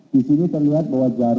di sini terlihat bahwa jarum kiri dan kiri